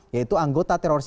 yaitu anggota terorisme